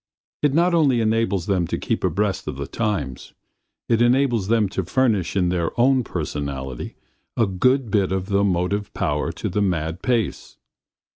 It not only enables them to keep abreast of the times; it qualifies them to furnish in their own personality a good bit of the motive power to the mad pace.